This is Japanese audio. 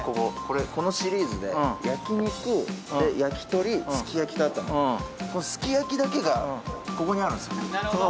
このシリーズで焼肉焼き鳥すき焼とあったのすき焼だけがここにあるんすよああ